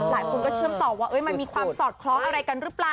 หลายคนก็เชื่อมต่อว่ามันมีความสอดคล้องอะไรกันหรือเปล่า